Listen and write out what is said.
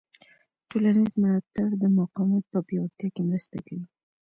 ټولنیز ملاتړ د مقاومت په پیاوړتیا کې مرسته کوي.